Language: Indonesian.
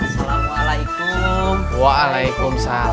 kalian sekarang di rumah